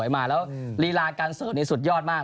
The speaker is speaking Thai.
หลีหลาการเซิร์ชนิดสุดยอดมาก